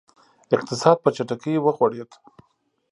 اقتصاد په چټکۍ وغوړېد.